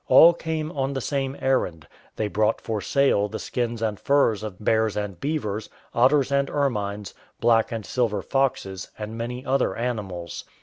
All came on the same errand. They brought for sale the skins and furs of bears and beavers, otters and ermines, black and silver foxes, and many other animals.